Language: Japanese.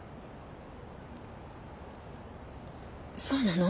そうなの？